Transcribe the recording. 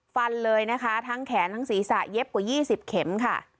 ฟันเลยนะคะทั้งแขนทั้งศีรษะเย็บกว่า๒๐เข็มค่ะ